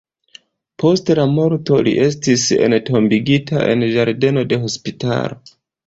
Post la morto li estis entombigita en ĝardeno de la hospitalo.